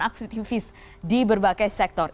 penangkapan aktivis di berbagai sektor